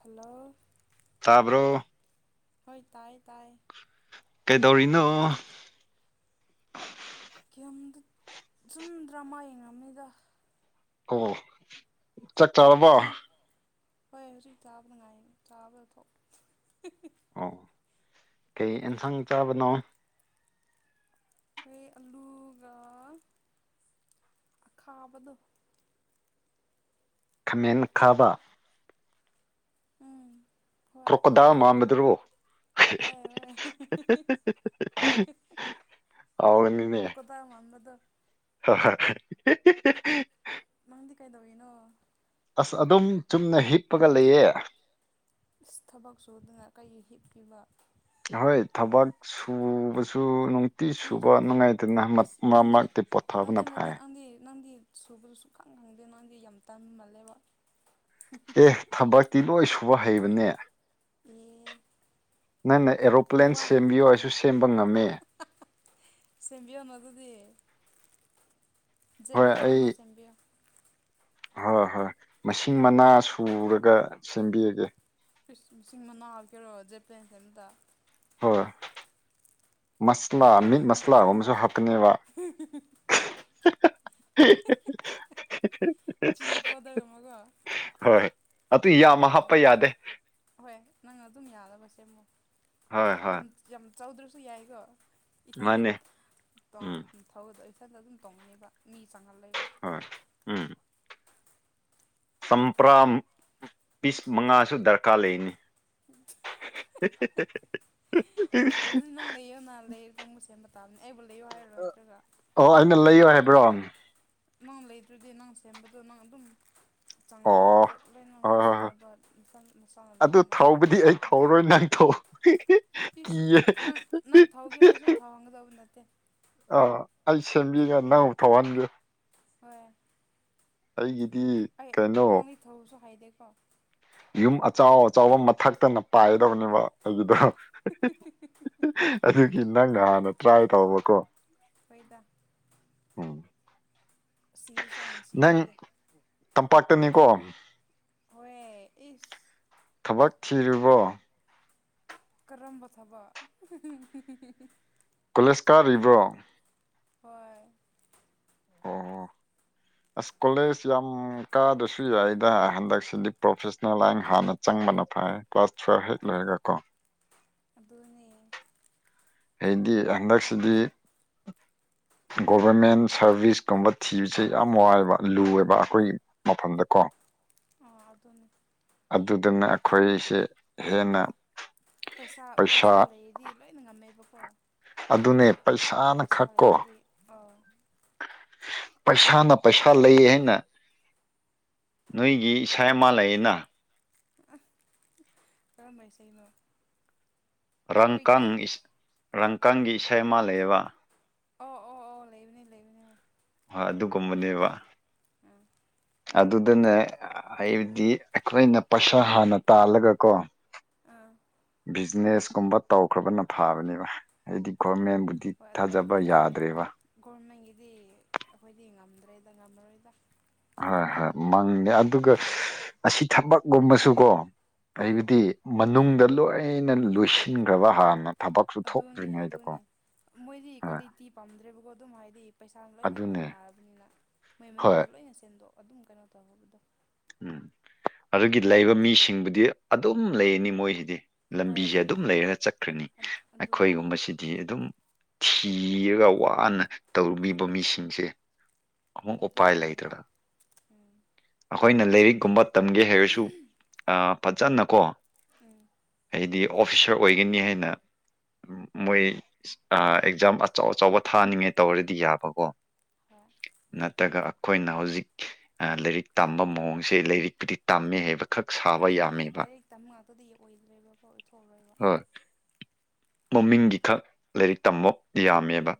hello ꯇꯥꯔꯕꯣ ꯍꯣꯏ ꯇꯥꯏ ꯇꯥꯏ ꯀꯩꯗꯧꯔꯤꯅꯣ ꯗ ꯁꯨꯝ ꯗ꯭ꯔꯃꯥ ꯌꯦꯡꯉꯝꯅꯤꯗ ꯑꯣ ꯆꯠ ꯆꯥꯔꯕꯣ ꯅꯪ ꯍꯣꯏ ꯍꯧꯖꯤꯛ ꯆꯥꯕꯅ ꯉꯥꯏ ꯆꯥꯕꯗꯣ ꯑꯣ ꯀꯩ ꯑꯦꯟꯁꯥꯡ ꯆꯥꯕꯅꯣ ꯍꯣꯏ ꯑꯂꯨꯒ ꯑꯈꯥꯕꯗꯣ ꯈꯥꯃꯦꯟ ꯈꯥꯕ ꯎꯝ ꯍꯣꯏ ꯀ꯭ꯔꯣꯀꯗꯥ ꯃꯥꯥꯟꯕꯗꯨ꯭ꯔꯣ ꯍꯣꯏ ꯍꯣꯏ [unintelligible] ꯍꯥꯎꯅꯤꯅꯦ ꯀ꯭ꯔꯣꯀꯣꯗꯥꯏꯜ ꯃꯥꯟꯕꯗꯣ ꯃꯪꯗꯤ ꯀꯩꯗꯧꯋꯅꯣ ꯑꯁ ꯑꯗꯨꯝ ꯆꯨꯝꯅ ꯍꯤꯞꯄꯒ ꯂꯩꯑ ꯏꯃ ꯍꯣꯏ ꯊꯕꯛ ꯁꯨꯕꯁꯨ ꯅꯨꯡꯇꯤ ꯅꯪꯁꯨ ꯁꯨꯕ ꯅꯨꯡꯉꯥꯏꯇꯅ ꯑꯁ ꯅꯪꯁꯨ ꯃꯃꯛꯇꯤ ꯄꯣꯊꯥꯕꯅ ꯐꯥꯏ ꯁꯨꯕꯗꯨꯁꯨ ꯈꯪ ꯈꯪꯗꯦ ꯅꯪꯗꯤ ꯌꯥꯝ ꯇꯝꯃꯜꯂꯦꯕ ꯑꯦ ꯊꯄꯥꯛꯇꯤ ꯂꯣꯏ ꯁꯨꯕ ꯍꯩꯕꯅꯦ ꯑꯦ ꯅꯪ ꯅ ꯑꯦꯔꯣꯄ꯭ꯂꯦꯟ ꯋꯥ ꯁꯦꯝꯕꯤꯌꯣ ꯑꯩꯁꯨ ꯁꯦꯝꯕ ꯉꯝꯃꯦ ꯁꯦꯝꯕꯤꯌ ꯑꯗꯨꯗꯤ ꯍꯣꯏ ꯑꯩ ꯖꯠꯂꯅꯃ ꯆꯝꯕꯌꯥ ꯍꯣꯏ ꯍꯣꯏ ꯃꯁꯤꯡ ꯃꯅꯥ ꯁꯨꯔꯒ ꯁꯦꯝꯕꯤꯔꯒꯦ ꯄꯁꯤꯡ ꯃꯅꯥꯎ ꯀꯦꯔꯣ ꯖꯦꯄꯦꯟꯁꯦꯝꯇ ꯍꯣꯏ ꯃꯁꯂꯥ ꯀꯔꯤꯔꯦ ꯃꯤꯠ ꯅꯪ ꯅꯪ ꯅꯪ ꯃꯁꯂꯥꯒꯨꯝꯕꯁꯨ ꯍꯥꯞꯀꯅꯦꯕ ꯍꯦ ꯍ ꯍꯍ ꯆꯂꯤ ꯄꯥꯎꯗꯔ ꯃꯒ ꯍꯣꯏ ꯑꯗꯨ ꯌꯥꯝꯃ ꯍꯥꯞꯄ ꯌꯥꯗꯦ ꯆꯃꯣ ꯍꯣꯏ ꯍꯣꯏ ꯌꯥꯝ ꯌꯥꯝ ꯆꯥꯎꯗ꯭ꯔꯁꯨ ꯌꯥꯏꯀꯣ ꯏꯊꯟꯗ ꯃꯥꯅꯦ ꯎꯝ ꯊꯕꯗꯣ ꯏꯊꯟꯗ ꯑꯗꯨꯝ ꯇꯣꯡꯅꯦꯕ ꯃꯤ ꯆꯪꯍꯜꯂꯕ ꯍꯣꯏ ꯎꯝ ꯆꯝꯄ꯭ꯔꯥ ꯄꯤꯁ ꯃꯉꯥꯁꯨ ꯗꯔꯀꯥꯔ ꯂꯩꯅꯤ ꯏ [inaudible] ꯑꯗꯨꯗꯤ ꯅꯪ ꯂꯩꯌꯣ ꯅꯍꯥꯟ ꯂꯩꯔꯒ ꯃꯨ ꯁꯦꯝꯕ ꯇꯥꯕꯅꯦ ꯑꯩꯕꯨ ꯂꯩꯌꯣ ꯍꯥꯏꯔꯣ ꯅꯠꯇ꯭ꯔꯒ ꯑꯣ ꯑꯩꯅ ꯂꯩꯌꯣ ꯍꯥꯏꯕ꯭ꯔꯣ ꯑꯣ ꯅꯪ ꯂꯩꯗ꯭ꯔꯗꯤ ꯅꯪ ꯁꯦꯝꯕꯗꯣ ꯅꯪ ꯑꯗꯨꯝ ꯆꯪꯅꯕ ꯍꯣꯏ ꯄꯣꯠ ꯂꯩꯅ ꯍꯣꯏ ꯍꯣꯏ ꯁꯨꯅꯕ ꯃꯁꯥꯅ ꯑꯗꯨ ꯂꯩꯌꯅ ꯊꯧꯕꯗꯤ ꯑꯩ ꯊꯧꯔꯣꯏ ꯅꯪ ꯊꯧ ꯏꯁ ꯀꯤꯌꯦ ꯅꯪ ꯅꯪ ꯊꯥꯎꯒꯦ ꯍꯥꯏꯔꯁꯨ ꯊꯥꯎꯍꯟꯒꯗꯕ ꯅꯠꯇꯦ ꯑꯥ ꯑꯩ ꯁꯦꯝꯕꯤꯒ ꯅꯉꯧ ꯊꯧꯅꯤꯕ ꯍꯣꯏ ꯑꯩꯒꯤ ꯑꯩ ꯅꯪꯗꯤ ꯊꯧꯕꯁꯨ ꯍꯥꯏꯗꯦꯀꯣ ꯌꯨꯝ ꯑꯆꯥꯎ ꯑꯆꯕ ꯃꯊꯛꯇꯅ ꯄꯥꯏꯒꯗꯕꯅꯦꯕ ꯑꯩꯒꯤꯗ ꯑꯗꯨꯒꯤ ꯅꯪꯅ ꯍꯥꯟꯅ ꯇ꯭ꯔꯥꯏ ꯇꯧꯕꯀꯣ ꯐꯗ ꯎꯝ ꯑꯩꯅ ꯅꯪ ꯁꯤꯕꯤꯒꯦ ꯇꯝꯄꯥꯛꯇꯅꯤꯀꯣ ꯑꯦꯏꯁ ꯊꯕꯛ ꯊꯤꯔꯤꯕꯣ ꯀꯔꯝꯕ ꯊꯕꯛ ꯀꯣꯂꯦꯖ ꯀꯥꯔꯤꯕ꯭ꯔꯣ ꯍꯣꯏ ꯑꯣ ꯑꯁ ꯀꯣꯂꯦꯖ ꯌꯥꯝ ꯀꯥꯗꯁꯨ ꯌꯥꯏꯗ ꯍꯟꯗꯛꯁꯤꯗꯤ ꯄ꯭ꯔꯣꯐꯦꯁꯅꯦꯜ ꯂꯥꯏꯟ ꯍꯥꯟꯅ ꯆꯪꯉ ꯥꯏ ꯀ꯭ꯂꯥꯁ ꯍ ꯂꯩꯔꯦꯒ ꯀꯣ ꯑꯗꯨꯅꯦ ꯍꯥꯏꯗꯤ ꯍꯟꯗꯛꯁꯤꯗꯤ ꯒꯣꯚꯔꯃꯦꯟ ꯁꯥꯔꯚꯤꯁꯀꯨꯝꯕ ꯊꯤꯕꯁꯦ ꯌꯥꯝ ꯋꯥꯏꯕ ꯂꯨꯋꯦꯕ ꯑꯩꯈꯣꯏꯒꯤ ꯃꯐꯝꯗꯀꯣ [unintelligible] ꯑꯥ ꯑꯗꯨꯅꯦ ꯑꯗꯨꯗꯨꯅ ꯑꯩꯈꯣꯏꯁꯦ ꯍꯦꯟꯅ ꯄꯩꯁꯥ ꯄꯩꯁꯥ ꯂꯩꯗꯤ ꯂꯣꯏꯅ ꯉꯝꯃꯦꯕ ꯑꯗꯨꯅꯦ ꯄꯩꯁꯥꯅ ꯈꯛ ꯀꯣ ꯂꯩꯔꯗꯤ ꯑꯥ ꯄꯩꯁꯥꯅ ꯄꯩꯁꯥ ꯂꯩ ꯍꯥꯏꯅ ꯅꯣꯏꯒꯤ ꯏꯁꯩ ꯑꯃ ꯂꯩꯌꯦꯅ ꯀꯔꯝꯕ ꯏꯁꯩꯅꯣ ꯔꯪꯀ ꯑꯩꯈꯣꯏꯒꯤ ꯔꯪꯀꯪꯒꯤ ꯏꯁꯩꯃꯥꯜꯂꯑꯕ ꯑꯣ ꯑꯣ ꯑꯣ ꯂꯩꯕꯅꯦ ꯂꯩꯕꯅꯦ ꯑꯣ ꯍꯣꯏ ꯑꯗꯨꯒꯨꯝꯕꯅꯦꯕ ꯑꯥ ꯑꯗꯨꯗꯅꯦ ꯑꯩꯗꯤ ꯑꯩꯈꯣꯏꯅ ꯄꯩꯁꯥ ꯍꯥꯟꯅ ꯇꯥꯜꯂꯒꯀꯣ ꯑꯥ ꯕꯤꯖꯤꯅꯦꯁ ꯀꯨꯝꯕ ꯇꯧꯈ꯭ꯔꯕꯅ ꯐꯕꯅꯦꯕ ꯍꯥꯏꯗꯤ ꯒꯣꯔꯃꯦꯟ ꯍꯣꯏ ꯑꯗꯨ ꯑꯗꯨꯗꯤ ꯆꯨꯝꯃꯦ ꯒꯣꯔꯃꯦꯟꯒꯤꯗꯤ ꯑꯩꯈꯣꯏꯗꯤ ꯉꯝꯃꯦ ꯂꯩꯗ ꯉꯝꯃꯔꯣꯏꯗ ꯍꯣꯏ ꯍꯣꯏ ꯃꯪꯅꯦꯦ ꯑꯗꯨꯒ ꯑꯁꯤ ꯊꯕꯛꯀꯨꯝꯕꯁꯨꯀꯣ ꯎꯝ ꯍꯥꯏꯕꯗꯤ ꯃꯅꯨꯡꯗ ꯂꯣꯏꯅ ꯂꯣꯏꯁꯤꯟꯈ꯭ꯔꯕ ꯍꯥꯟꯅ ꯄꯛꯁꯨ ꯑꯗꯨꯅꯦ ꯊꯣꯛꯇ꯭ꯔꯤꯉꯩꯗꯀꯣ ꯑꯗꯨꯅꯦ ꯃꯣꯏꯗꯤ ꯍꯣꯏ ꯀ꯭ꯋꯥꯂꯤꯇꯤ ꯄꯥꯝꯗ꯭ꯔꯦꯕꯀꯣ ꯑꯗꯨꯝ ꯍꯥꯏꯗꯤ ꯄꯩꯁꯥ ꯂꯣꯏꯅ ꯑꯗꯨꯅꯦ ꯉꯪꯅꯔꯕꯅꯤꯅ ꯃꯩ ꯍꯣꯏ ꯃꯅꯨꯡꯗ ꯂꯣꯏꯅ ꯁꯦꯟꯗꯣꯛ ꯑꯗꯨꯝ ꯀꯩꯅꯣ ꯇꯧꯕꯗꯣ ꯎꯝ ꯑꯗꯨꯒꯤ ꯂꯩꯕ ꯃꯤꯁꯤꯡꯕꯨꯗꯤ ꯑꯗꯨꯝ ꯂꯩꯅꯤ ꯃꯣꯏꯁꯤꯗꯤ ꯍꯣꯏ ꯂꯝꯕꯤꯁꯦ ꯑꯗꯨꯅꯦ ꯑꯗꯨꯝ ꯂꯩꯔꯒ ꯆꯠꯈ꯭ꯔꯅꯤ ꯑꯗꯨꯅꯦ ꯑꯩꯈꯣꯏꯒꯨꯝꯕꯁꯤꯗꯤ ꯑꯗꯨꯝ ꯊꯤꯔꯒ ꯋꯥꯅ ꯇꯧꯔꯨꯕ ꯃꯤꯁꯤꯡꯁꯦ ꯑꯃꯨꯛ ꯎꯄꯥꯏ ꯑꯗꯨꯅꯤ ꯎꯝ ꯑꯩꯅ ꯂꯥꯏꯔꯤꯛꯀꯨꯝꯕ ꯇꯝꯒꯦ ꯍꯥꯏꯔꯁꯨ ꯐꯖꯅ ꯀꯣ ꯎꯝ ꯍꯥꯏꯗꯤ ꯑꯣꯐꯤꯁꯔ ꯑꯣꯏꯒꯅꯤ ꯍꯥꯏꯅ ꯃꯣꯏ ꯑꯦꯛꯖꯥꯝ ꯑꯆꯧ ꯑꯆꯧꯕ ꯊꯥꯅꯤꯡꯉꯦ ꯇꯧꯔꯗꯤ ꯌꯥꯕꯀꯣ ꯍꯣꯏ ꯅꯠꯇ꯭ꯔꯒ ꯑꯩꯈꯣꯏꯅ ꯍꯧꯖꯤꯛ ꯂꯥꯏꯔꯤꯛ ꯇꯝꯕ ꯃꯑꯣꯡꯁꯦ ꯂꯥꯏꯔꯤꯛꯄꯨꯗꯤ ꯇꯝꯃꯦ ꯍꯥꯏꯕ ꯈꯛ ꯁꯥꯕ ꯑꯗꯨꯅꯦ ꯌꯥꯝꯃꯦꯕ ꯂꯥꯏꯔꯤꯛ ꯇꯝꯕ ꯉꯥꯛꯇꯗꯤ ꯑꯣꯏꯗ꯭ꯔꯣꯏꯕꯀꯣ ꯑꯣꯏꯊꯣꯛꯔꯣꯏꯕ ꯍꯣꯏ ꯃꯃꯤꯡꯒꯤ ꯈꯛ ꯂꯥꯏꯔꯤꯛ ꯇꯝꯕ ꯌꯥꯝꯃꯦꯕ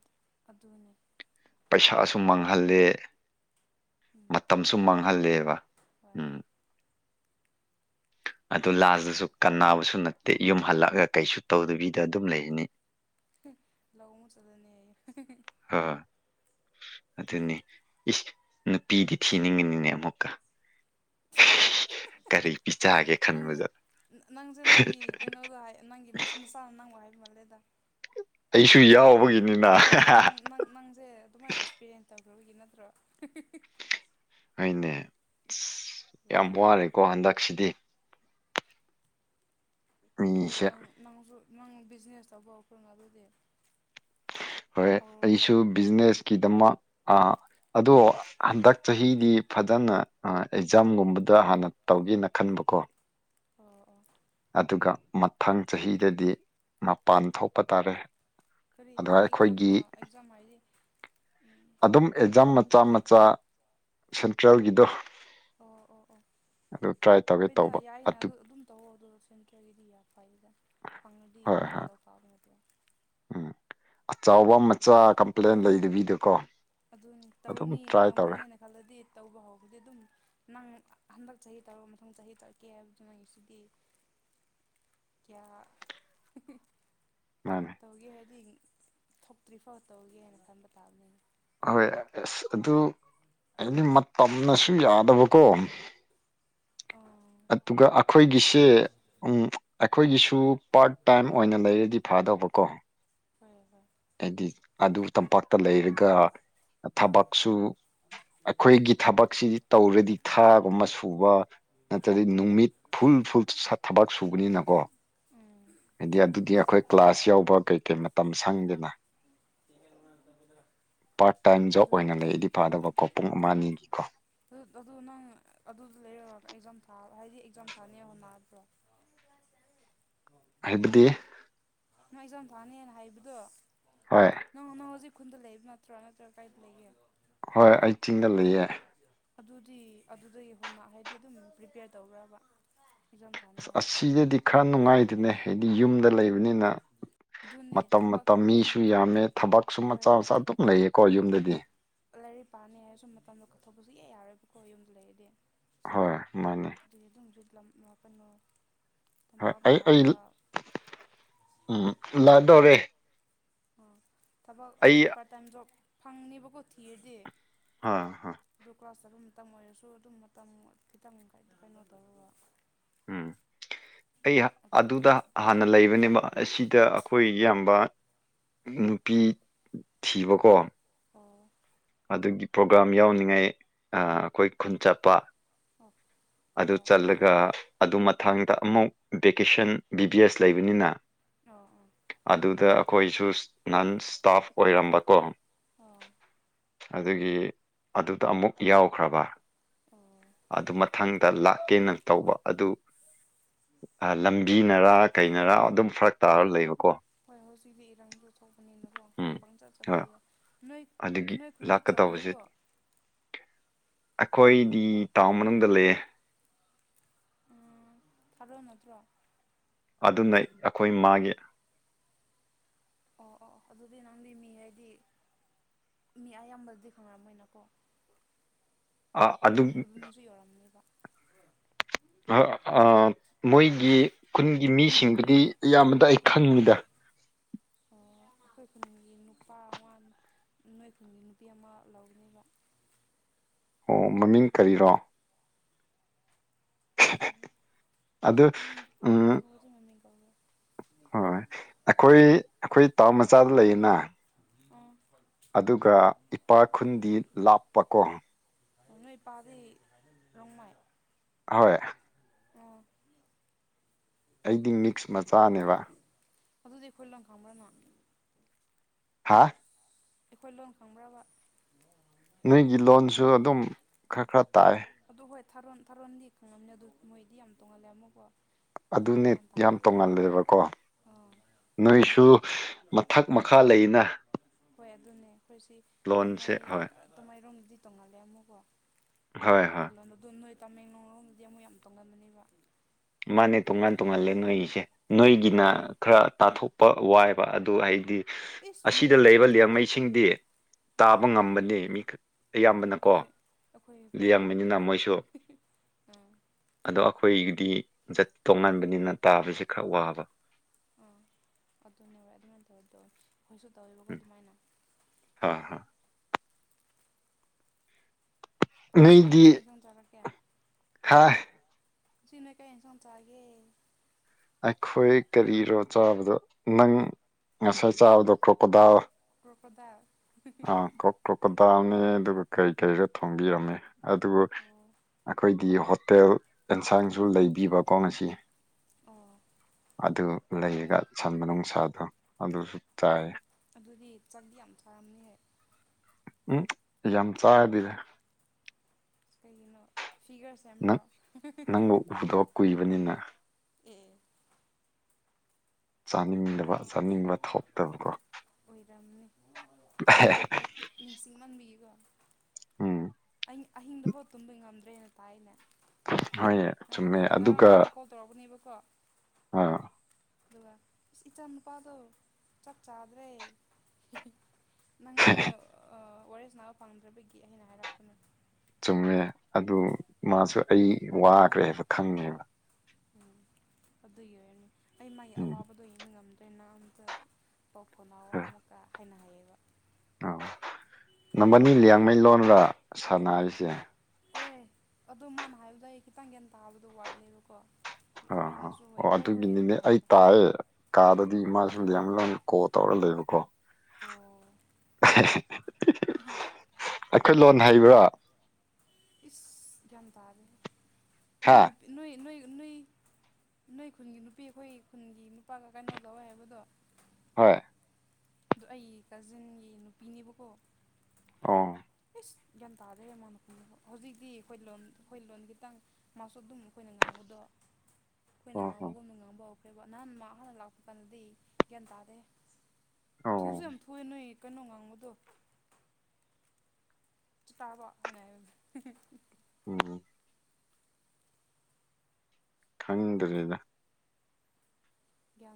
ꯑꯗꯨꯅꯦ ꯄꯩꯁꯥ ꯑ ꯁꯨꯝ ꯃꯥꯡꯍꯜꯂꯦ ꯃꯇꯝꯁꯨ ꯃꯥꯡꯍꯜꯂꯦꯕ ꯍꯣꯏ ꯎꯝ ꯑꯗꯨ ꯅꯣꯏꯗꯤ ꯂꯖꯇꯁꯨ ꯀꯟꯅꯕꯁꯨ ꯅꯠꯇꯦ ꯌꯨꯝ ꯍꯜꯂꯛꯑꯒ ꯀꯩꯁꯨ ꯇꯧꯗꯕꯤꯗ ꯑꯗꯨꯝ ꯂꯩꯅꯤ ꯂꯧ ꯃꯨ ꯆꯗꯅꯦ ꯑꯥ ꯑꯗꯨꯅꯦ ꯏꯁ ꯅꯨꯄꯤꯗꯤ ꯊꯤꯅꯤꯡꯉꯅꯤꯅꯦ ꯑꯃꯨꯛꯀ ꯀꯔꯤ ꯄꯤꯆꯥꯒꯦ ꯅꯪꯁꯦ ꯈꯟꯕꯗ ꯅꯪꯁꯦ ꯅꯪꯒꯤ ꯀꯩꯅꯣꯒ ꯅꯪꯒꯤ ꯅꯁꯥꯅ ꯅꯪꯉꯣ ꯍꯥꯏꯕ ꯃꯥꯜꯂꯦ ꯑꯩꯁꯨ ꯌꯥꯎꯕꯒꯤ ꯅ ꯅꯪꯁꯦ ꯑꯗꯨꯃꯥꯏꯅ ꯑꯦꯛꯁꯄꯤꯔꯤꯌꯦꯟꯁ ꯇꯧꯈ꯭ꯔꯕꯒꯤ ꯅꯠꯇ꯭ꯔꯣ ꯍꯅꯦ ꯑꯁ ꯌꯥꯝ ꯌꯥꯏꯍꯦ ꯋꯥꯔꯦꯀꯣ ꯍꯟꯗꯛꯁꯤꯗꯤ ꯑꯗꯨꯪ ꯃꯤꯁꯦ ꯅꯪꯁꯨ ꯅꯪ ꯕꯤꯖꯤꯅꯦꯁ ꯇꯧꯕꯈꯅ ꯑꯗꯨꯗꯤ ꯍꯣꯏ ꯍꯧꯔꯕ꯭ꯔꯣ ꯑꯩꯁꯨ ꯕꯤꯖꯤꯅꯦꯁꯀꯤꯗꯃꯛ ꯑ ꯑꯗꯣ ꯍꯟꯗꯛ ꯆꯍꯤꯗꯤ ꯐꯖꯅ ꯑꯦꯛꯖꯥꯝꯒꯨꯝꯕꯗ ꯍꯥꯟꯅ ꯇꯧꯒꯦꯅ ꯈꯟꯕꯀꯣ ꯑꯣ ꯑꯣ ꯑꯗꯨꯒ ꯃꯊꯪ ꯆꯍꯤꯗꯗꯤ ꯃꯄꯥꯟ ꯊꯣꯛꯄ ꯇꯥꯔꯦ ꯀꯔꯤ ꯑꯗ ꯀꯔꯤ ꯑꯦꯛꯖꯥꯝ ꯑꯩꯈꯣꯏꯒꯤ ꯑꯦꯛꯖꯥꯝ ꯍꯥꯏꯗꯤ ꯎꯝ ꯑꯗꯨꯝ ꯑꯦꯛꯖꯥꯝ ꯃꯆꯥ ꯀꯝꯄꯤꯇꯤꯇꯤꯞ ꯃꯆꯥ ꯁꯦꯟꯇ꯭ꯔꯦꯜꯒꯤꯗꯣ ꯑꯣ ꯑꯣ ꯑꯣ ꯑꯗꯨ ꯇ꯭ꯔꯥꯏ ꯇꯧꯒꯦ ꯍꯣꯏꯗ ꯇꯧꯕ ꯑꯗꯨ ꯌꯥꯏꯅꯗ ꯑꯗꯨꯝ ꯇꯧ ꯑꯗꯨ ꯁꯤꯟꯈ꯭ꯔꯒꯗꯤ ꯌꯥꯔ ꯐꯥꯏꯗ ꯐꯪꯗꯤ ꯍꯣꯏ ꯌꯥꯝ ꯍꯣꯏ ꯗꯧꯀꯥꯕ ꯅꯗꯣ ꯑꯆꯕ ꯃꯆꯥ ꯀꯝꯄ꯭ꯂꯦꯟ ꯂꯩꯗꯕꯤꯗꯀꯣ ꯑꯗꯨꯅꯤ ꯑꯗꯨꯝ ꯇꯧꯅꯤ ꯇ꯭ꯔꯥꯏ ꯉꯝꯒꯅꯤ ꯇꯧꯔꯦ ꯍꯥꯏꯅ ꯈꯜꯂꯗꯤ ꯇꯧꯕ ꯍꯧꯧꯕꯗꯤ ꯑꯗꯨꯝ ꯅꯪ ꯍꯟꯗꯛ ꯆꯍꯤ ꯇꯧꯔꯛ ꯃꯊꯪ ꯆꯍꯤ ꯆꯠꯀꯦ ꯍꯥꯏꯕꯗꯨꯃ ꯁꯤꯗꯤ [unintelligible] ꯀꯌꯥ ꯃꯥꯅꯦ ꯇꯧꯒꯦ ꯍꯥꯏꯗꯤ ꯊꯣꯛꯇ꯭ꯔꯤꯐꯥꯎ ꯇꯧꯒꯦ ꯍꯥꯏꯅ ꯈꯟꯕ ꯇꯥꯕꯅꯤꯅ ꯑꯣꯏ ꯑꯁ ꯑꯗꯨ ꯍꯥꯏꯗꯤ ꯃꯇꯝꯅꯁꯨ ꯌꯥꯗꯕꯀꯣ ꯑꯣ ꯑꯗꯨꯒ ꯑꯩꯈꯣꯏꯒꯤꯁꯦ ꯑꯩꯈꯣꯏꯒꯤꯁꯨ ꯄꯥꯔꯠ ꯇꯥꯏꯝ ꯑꯣꯏꯅ ꯂꯩꯔꯗꯤ ꯐꯦ ꯑꯗꯣꯕꯀꯣ ꯍꯣꯏ ꯍꯣꯏ ꯍꯥꯏꯗꯤ ꯑꯗꯨ ꯇꯝꯄꯥꯛꯇ ꯂꯩꯔꯒ ꯊꯕꯛꯁꯨ ꯑꯩꯈꯣꯏꯒꯤ ꯊꯕꯛꯁꯤꯗꯤ ꯇꯧꯔꯗꯤ ꯊꯥ ꯑꯃ ꯁꯨꯕ ꯅꯠꯇ꯭ꯔꯗꯤ ꯅꯨꯃꯤꯠ ꯐꯨꯜ ꯐꯨꯜ ꯊꯕꯛ ꯁꯨꯕꯅꯤꯅꯀꯣ ꯎꯝ ꯍꯥꯏꯗꯤ ꯑꯗꯨꯗꯤ ꯑꯩꯈꯣꯏ ꯀ꯭ꯂꯥꯁ ꯌꯥꯎꯕ ꯀꯩ ꯀꯩ ꯃꯇꯝ ꯁꯪꯗꯦꯅ [inaudible] ꯄꯥꯔꯠ ꯇꯥꯏꯝ ꯑꯗꯨ ꯖꯣꯕ ꯑꯣꯏꯅ ꯑꯗꯨꯅꯤ ꯂꯩꯗꯤ ꯐꯥꯗꯕꯀꯣ ꯄꯨꯡ ꯑꯃ ꯑꯅꯤꯒꯤ ꯀꯣ ꯑꯗꯨ ꯑꯗꯨ ꯅꯪ ꯑꯗꯨ ꯂꯩꯔ ꯑꯦꯛꯖꯥꯝ ꯊꯥ ꯍꯥꯏꯗꯤ ꯑꯦꯛꯖꯥꯝ ꯊꯥꯅꯤ ꯍꯣꯅꯗ꯭ꯔꯣ ꯍꯥꯏꯗꯤ ꯅ ꯑꯦꯛꯖꯥꯝ ꯊꯥꯅꯤꯅ ꯍꯥꯏꯕꯗꯣ ꯍꯣꯏ ꯅꯪ ꯍꯧꯖꯤꯛ ꯎꯈꯨꯟꯗ ꯂꯩꯕ ꯅꯠꯇ꯭ꯔꯥ ꯅꯠꯇ꯭ꯔꯒ ꯀꯥꯏꯗ ꯂꯩꯒꯦ ꯍꯣꯏ ꯑꯩ ꯆꯤꯡꯗ ꯂꯩꯑ ꯑꯗꯨꯗꯤ ꯑꯗꯨꯗꯒꯤ ꯍꯨꯟꯅ ꯍꯥꯏꯗꯤ ꯑꯗꯨꯝ ꯄ꯭ꯔꯤꯄꯦꯌꯔ ꯇꯧꯕ꯭ꯔꯕ ꯑꯦꯛꯖꯥꯝ ꯑꯁ ꯊꯥꯅꯤꯡꯉꯥꯏ ꯑꯁꯤꯗꯗꯤ ꯈꯔ ꯅꯨꯡꯉꯥꯏꯗꯅꯦ ꯍꯥꯏꯗꯤ ꯌꯨꯝꯗ ꯂꯩꯕꯅꯤꯅ ꯑꯗꯨꯅꯦ ꯃꯇꯝ ꯊꯕꯛ ꯃꯇꯝ ꯃꯤꯁꯨ ꯌꯥꯝꯃꯦ ꯊꯕꯛ ꯁꯨꯝ ꯍꯣꯏ ꯃꯆꯥ ꯃꯆꯥ ꯑꯗꯨꯝ ꯂꯩꯌꯦꯀꯣ ꯎꯝ ꯌꯨꯝꯗꯗꯤ ꯍꯧꯖꯤꯛ ꯌꯥꯔꯣꯏꯕꯀꯣ ꯌꯨꯝꯗ ꯂꯩꯔꯗꯤ ꯍꯣꯏ ꯃꯥꯅꯤ ꯃꯄ ꯍꯣꯏ ꯑꯩ ꯑꯩ ꯎꯝ ꯂꯥꯛꯗꯧꯔꯦ ꯑꯣ ꯊꯕꯛ ꯑꯩ ꯑꯗꯨꯝ ꯄꯥꯔꯠ ꯇꯥꯏꯝ ꯖꯣꯕ ꯐꯪꯅꯦꯕꯀꯣ ꯊꯤꯔꯗꯤ ꯍ ꯍ ꯀ꯭ꯂꯥꯁ ꯑꯗꯨ ꯃꯇꯝ ꯑꯣꯏꯔꯁꯨ ꯑꯗꯨꯝ ꯃꯇꯝ ꯈꯤꯇꯪ ꯀꯩꯅꯣ ꯇꯧꯔꯨꯒ ꯎꯝ ꯑꯩ ꯑꯗꯨꯅ ꯑꯗꯨꯗ ꯐꯩꯌꯦꯕ ꯍꯥꯟꯅ ꯂꯩꯕꯅꯦꯕ ꯑꯁꯤꯗ ꯑꯩꯈꯣꯏ ꯏꯌꯥꯝꯕ ꯅꯨꯄꯤ ꯊꯤꯕꯀꯣ ꯑꯣ ꯑꯗꯨꯒꯤ ꯄ꯭ꯔꯣꯒꯥ꯭ꯔꯥꯝ ꯌꯥꯎꯅꯤꯡꯉꯥꯏ ꯑꯩꯈꯣꯏ ꯈꯨꯟ ꯆꯠꯄ ꯑꯣ ꯑꯗꯨ ꯑꯣ ꯆꯜꯂꯒ ꯑꯗꯨ ꯃꯊꯥꯡꯗ ꯑꯃꯨꯛ ꯚꯦꯀꯦꯁꯟ ꯕꯤ ꯕꯤ ꯑꯦꯁ ꯂꯩꯕꯅꯤꯅ ꯑꯣ ꯑꯣ ꯑꯗꯨꯗ ꯑꯩꯈꯣꯏꯁꯨ ꯅꯟ ꯏꯁꯇꯥꯐ ꯑꯣꯏꯔꯝꯕꯀꯣ ꯑꯣ ꯑꯗꯨꯒꯤ ꯑꯗꯨꯗ ꯑꯃꯨꯛ ꯌꯥꯎꯈ꯭ꯔꯕ ꯑꯣ ꯑꯗꯨ ꯃꯊꯪꯗ ꯂꯥꯛꯀꯦ ꯅꯪ ꯇꯧꯕ ꯑꯗꯨ ꯂꯝꯕꯤꯅꯔꯥ ꯀꯩꯅꯔꯥ ꯑꯗꯨꯝ ꯐꯔꯛ ꯇꯥꯔꯒ ꯂꯩꯕꯀꯣ ꯍꯣꯏ ꯍꯧꯖꯤꯛꯇꯤ ꯏꯔꯪꯗꯣ ꯊꯣꯛꯧꯕꯅꯤꯅꯀꯣ ꯎꯝ ꯄꯪ ꯍꯣꯏ ꯆꯠꯆꯕꯗꯨ ꯌꯥꯏ ꯅꯣꯏ ꯑꯗꯨꯒꯤ ꯅꯣꯏ ꯈꯨꯟꯗꯤ ꯂꯥꯛꯀꯗꯧꯕꯁꯤ ꯆꯥꯎꯕꯅꯤꯀꯣ ꯑꯩꯈꯣꯏꯗꯤ ꯇꯥꯎꯟ ꯃꯅꯨꯡꯗ ꯂꯩꯌꯦ ꯊꯥꯔꯛ ꯅꯠꯇ꯭ꯔꯣ ꯑꯗꯨꯅ ꯑꯩꯈꯣꯏ ꯃꯥꯒꯤ ꯑꯣ ꯑꯣ ꯑꯗꯨꯗꯤ ꯅꯪꯒꯤ ꯃꯤ ꯍꯥꯏꯗꯤ ꯃꯤ ꯑꯌꯥꯝꯕꯗꯗꯤ ꯈꯪꯅꯔꯝꯃꯣꯏꯅꯀꯣ ꯑꯗꯨ ꯈꯪꯗꯕ ꯃꯤꯁꯨ ꯌꯧꯔꯝꯅꯦꯕ ꯃꯣꯏꯒꯤ ꯈꯨꯟꯒꯤ ꯃꯤꯁꯤꯡꯗꯨꯗꯤ ꯑꯌꯥꯝꯕꯗ ꯑꯩ ꯈꯪꯉꯤꯗ [inaudible] ꯑꯩꯈꯣꯏ ꯈꯨꯟꯒꯤ ꯅꯨꯄꯥ ꯑꯃ ꯅꯣꯏ ꯈꯨꯟꯒꯤ ꯅꯨꯄꯤ ꯑꯃ ꯂꯧꯒꯅꯦꯕ ꯑꯣ ꯃꯃꯤꯡ ꯀꯔꯤꯔꯣ ꯃꯃꯤꯡ ꯑꯗ ꯎꯝ ꯍꯧꯖꯤꯛ ꯃꯃꯤꯡ ꯀꯧꯔꯦ ꯍꯣꯏ ꯑꯩꯈꯣꯏ ꯑꯩꯈꯣꯏ ꯇꯥꯎꯟ ꯃꯆꯥꯗ ꯂꯩꯌꯦꯅ ꯑꯣ ꯑꯗꯨꯒ ꯏꯄꯥ ꯈꯨꯟꯗꯤ ꯂꯥꯞꯄꯀꯣ ꯑꯗꯨꯅꯄꯥꯗꯤ ꯔꯅꯨꯡꯃꯥꯏ ꯍꯣꯏ ꯎꯝ ꯑꯩꯗꯤ ꯃꯤꯛꯁ ꯃꯆꯥꯅꯦꯕ ꯑꯗꯨꯗꯤ ꯑꯩꯈꯣꯏ ꯂꯪ ꯈꯪꯕ꯭ꯔꯥꯅ ꯍꯥꯥ ꯑꯩꯈꯣꯏ ꯂꯣꯟ ꯈꯪꯕ꯭ꯔꯕ ꯅꯣꯏꯒꯤ ꯂꯣꯟꯁꯨ ꯑꯗꯨꯝ ꯈꯔ ꯈꯔ ꯇꯥꯏ ꯑꯗꯨ ꯍꯣꯏ ꯊꯥꯔꯣꯟ ꯊꯥꯔꯣꯟꯗꯤ ꯈꯪꯉꯕꯅꯦ ꯑꯗꯨ ꯃꯣꯏꯗꯤ ꯌꯥꯝ ꯇꯣꯡꯍꯜꯂꯦ ꯑꯃꯣꯀꯣ ꯑꯗꯨꯅꯦ ꯌꯥꯝ ꯇꯣꯡꯉꯜꯂꯦꯕꯀꯣ ꯑꯥ ꯅꯣꯏꯁꯨ ꯃꯊꯛ ꯃꯈꯥ ꯂꯩꯅ ꯍꯣꯏ ꯑꯗꯨꯅꯦ ꯑꯩꯈꯣꯏ ꯁꯤ ꯂꯣꯟꯁꯦ ꯇꯥꯃꯥꯏ ꯍꯣꯏ ꯇꯃꯥꯏꯔꯣꯝꯗꯗꯤ ꯇꯣꯡꯅꯜꯂꯦ ꯑꯃꯨꯀꯣ ꯍꯣꯏ ꯂꯣꯗꯣ ꯅꯣꯏ ꯇꯥꯃꯦꯡꯂꯣꯡꯔꯣꯝꯗꯗꯤ ꯑꯃꯨꯛ ꯌꯥꯝ ꯇꯣꯡꯒꯟꯕꯅꯦꯕ ꯃꯥꯅꯦ ꯇꯣꯉꯥꯟ ꯇꯣꯡꯉꯜꯂꯦ ꯅꯣꯏꯁꯦ ꯅꯣꯏꯒꯤꯅ ꯑꯥ ꯈꯔ ꯇꯥꯊꯣꯛ ꯋꯥꯏꯕ ꯑꯗꯨ ꯍꯥꯏꯗꯤ ꯏꯁ ꯅꯣꯏ ꯑꯁꯤꯗ ꯂꯩꯕ ꯑꯗꯨ ꯑꯗꯨ ꯂꯦꯝꯃꯩꯁꯤꯡꯗꯤ ꯎꯝ ꯇꯥꯕ ꯉꯝꯕꯅꯤ ꯃꯤꯈ ꯑꯌꯥꯝꯕꯅꯀꯣ ꯑꯩꯈꯣꯏ ꯑꯩꯈꯣꯏ ꯑꯗꯨ ꯐꯥꯎ ꯉꯝꯗꯦ ꯌꯥꯝꯌꯥꯝꯕꯅꯤꯅ ꯃꯣꯏꯁꯨ ꯑꯥ ꯑꯗꯣ ꯑꯩꯈꯣꯏꯒꯤꯗꯤꯠ ꯇꯣꯉꯥꯟꯕꯅꯤꯅ ꯇꯥꯕꯁꯤꯦ ꯈꯔ ꯋꯥꯕ ꯑꯥ ꯑꯗꯨꯅꯦ ꯍ ꯑꯗꯨꯃꯥꯏꯅ ꯇꯧꯋꯤ ꯇꯧꯋ ꯑꯩꯈꯣꯏꯁꯨ ꯇꯧꯋꯦꯕꯀꯣ ꯎꯝ ꯑꯗꯨꯃꯥꯏꯅ ꯍꯥ ꯍꯥ ꯉꯁꯤꯗꯤ ꯀꯔꯤ ꯁꯣꯡꯖꯔꯠꯀꯦ ꯍꯥ ꯅ ꯀꯩ ꯁꯣꯟ ꯆꯔꯒꯦ ꯑꯩꯈꯣꯏ ꯀꯔꯤꯔꯣ ꯆꯥꯕꯗꯣ ꯅꯪ ꯉꯁꯥꯏ ꯆꯥꯕꯗꯣ ꯀ꯭ꯔꯣꯀꯣꯗꯥ ꯔꯣꯀꯗꯥ ꯇꯥꯑꯅꯤ ꯑꯗꯨꯒ ꯀꯩ ꯀꯩꯔꯥ ꯊꯣꯡꯕꯤꯔꯝꯃꯦ ꯑꯗꯨꯕꯨ ꯑꯣ ꯑꯩꯈꯣꯏ ꯍꯥꯏꯗꯤ ꯍꯣꯇꯦꯜ ꯑꯦꯟꯁꯥꯡꯁꯨ ꯂꯩꯕꯤꯕꯀꯣ ꯉ ꯑꯣ ꯑꯗꯨ ꯂꯩꯔꯒ ꯁꯟꯕ ꯅꯨꯡꯁꯥꯗꯣ ꯑꯗꯨꯁꯨ ꯆꯥꯏꯌꯦ ꯑꯗꯨꯗꯤ ꯆꯪꯗꯤ ꯌꯥꯝ ꯐꯔꯝꯅꯤꯍ ꯎꯝ ꯌꯥꯝ ꯆꯥꯔꯗꯤꯔꯦ ꯀꯩꯒꯤꯅꯣ ꯐꯤꯒꯔ ꯁꯦꯝꯕ꯭ꯔꯣ ꯅꯪ ꯅꯪꯕꯨ ꯎꯗꯕ ꯀꯨꯏꯕꯅꯤꯅ ꯆꯥꯅꯤꯡꯗꯕ ꯆꯥꯅꯤꯡꯕ ꯊꯣꯛꯇꯕꯀꯣ ꯍ ꯅꯤꯡꯁꯤꯡꯃꯥꯟꯕꯤꯌꯦꯀꯣ ꯎꯝ ꯑ ꯑꯍꯤꯡꯗꯐꯥꯎ ꯇꯨꯝꯕ ꯉꯝꯗ꯭ꯔꯦꯅ ꯇꯥꯏꯅꯦ ꯍꯣꯏ ꯆꯨꯝꯃꯦ ꯑꯗꯨꯒ ꯀꯣ ꯑꯥ ꯑꯗꯨꯒ ꯏꯁ ꯏꯆꯥ ꯅꯨꯨꯄꯥꯗꯣ ꯆꯞ ꯆꯥꯗ꯭ꯔꯦ ꯅꯪꯉꯣꯟꯗ ꯋꯥꯔꯤꯔꯦ ꯁꯥꯟꯅꯕ ꯄꯥꯝꯗ꯭ꯔꯕꯒꯤ ꯑꯩꯅ ꯍꯥꯏꯔꯛꯄꯅ ꯆꯨꯝꯃꯦ ꯑꯗꯨ ꯃꯥꯁꯨ ꯑꯩ ꯋꯥꯈ꯭ꯔꯦ ꯍꯥꯏꯕ ꯈꯪꯉꯦꯕ ꯎꯝ ꯑꯗꯨꯒꯤ ꯑꯣꯏꯔꯅꯤ ꯑꯩ ꯃꯥꯒꯤ ꯎꯝ ꯑꯋꯥꯕꯗꯣ ꯌꯦꯡꯕ ꯉꯝꯗ꯭ꯔꯦꯅ ꯑꯝꯇ ꯄꯥꯎꯈꯣꯅ ꯑꯃ ꯃꯨꯀ ꯍ ꯍꯥꯏꯅ ꯍꯌꯦ ꯑ ꯅꯝꯕꯅꯤ ꯂꯌꯥꯡꯃꯩ ꯂꯣꯟꯒ ꯁꯥꯟꯅꯔꯤꯁꯦ ꯍ ꯑꯗꯣ ꯃꯥꯅ ꯍꯥꯏꯕꯗ ꯑꯩ ꯈꯤꯇꯪ ꯒ꯭ꯌꯥꯟ ꯇꯥꯕꯗꯣ ꯋꯥꯠꯂꯦꯕꯀꯣ ꯑ ꯍ ꯑꯩꯅꯁꯨ ꯍꯣꯏ ꯑꯣ ꯍꯣꯏ ꯍꯣꯏ ꯑꯗꯨꯝ ꯑꯗꯨꯒꯤꯅꯤꯅꯦ ꯑꯩ ꯍꯥꯏꯕ ꯇꯥꯏꯑꯦ ꯀꯥꯗꯗꯤ ꯑꯣ ꯃꯥꯁꯨ ꯌꯥꯝ ꯂ ꯀꯣꯜ ꯇꯧꯔ ꯂꯩꯕ ꯣ ꯑꯣ ꯑꯩꯈꯣꯏ ꯂꯣꯟ ꯍꯥꯏꯩꯕ꯭ꯔꯥ ꯏꯁ ꯀ꯭ꯟ ꯇꯥꯔꯦ ꯍꯥ ꯅꯣꯏ ꯂꯨꯄꯤ ꯅꯣꯏ ꯅꯣꯏꯣꯏ ꯑꯗꯨ ꯅꯣꯏ ꯅꯣꯏ ꯈꯨꯟꯒꯤ ꯅꯨꯄꯤ ꯑꯩꯈꯣꯏ ꯈꯨꯟꯒꯤ ꯅꯨꯄꯥꯒ ꯀꯩꯅꯣ ꯇꯧꯋꯦ ꯍꯥꯏꯕꯗꯣ ꯍꯣꯏ ꯑꯗꯨ ꯑꯩꯒꯤ ꯀꯥꯖꯤꯟꯒꯤ ꯅꯨꯄꯤꯅꯦꯕꯀꯣ ꯑꯣ ꯑꯁ ꯒ꯭ꯌꯥꯟ ꯇꯥꯗꯩꯌꯦ ꯃꯥ ꯃꯗ ꯍꯧꯖꯤꯛꯇꯤ ꯑꯩꯈꯣꯏ ꯂꯣꯟ ꯑꯩꯈꯣꯏ ꯂꯣꯟ ꯈꯤꯇꯪ ꯃꯥꯁꯨ ꯑꯗꯨꯝ ꯑꯩꯈꯣꯏꯅ ꯉꯥꯡꯕꯗꯣ [inaudible] ꯑꯩꯈꯣꯏꯅ ꯍꯣ ꯉꯥꯡꯕꯒꯨꯝꯕ ꯉꯥꯡꯕ ꯍꯧꯈ꯭ꯔꯦꯕ ꯅꯍꯥꯟ ꯃꯥ ꯍꯥꯟꯅ ꯂꯥꯛꯄ ꯀꯥꯟꯗꯗꯤ ꯒ꯭ꯌꯥꯟ ꯇꯥꯗꯦ ꯑꯣ ꯊꯨꯁꯨ ꯌꯥꯝ ꯊꯣꯛꯑꯦ ꯅꯣꯏ ꯀꯩꯅꯣ ꯉꯥꯡꯕꯗꯣ ꯆ ꯇꯕ ꯍꯥꯏꯦ ꯎꯝ ꯈꯪꯗ꯭ꯔꯔꯤꯦꯗ ꯒ꯭ꯌꯥꯟ